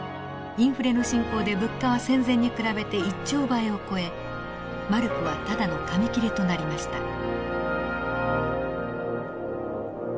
インフレの進行で物価は戦前に比べて１兆倍を超えマルクはただの紙切れとなりました。